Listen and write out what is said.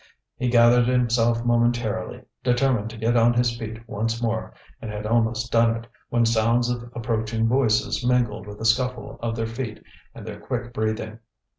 He gathered himself momentarily, determined to get on his feet once more, and had almost done it, when sounds of approaching voices mingled with the scuffle of their feet and their quick breathing.